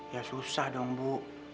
ya susah dong bu